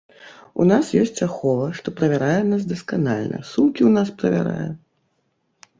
У нас есць ахова, што правярае нас дасканальна, сумкі ў нас правярае.